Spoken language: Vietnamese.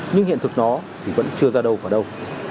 nhưng hiện thực nó thì vẫn chưa ra đâu và đâu